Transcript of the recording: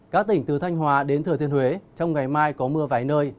các tỉnh từ thanh hóa đến thừa thiên huế trong ngày mai có mưa vài nơi